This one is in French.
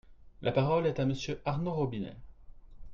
La parole est à Monsieur Arnaud Robinet.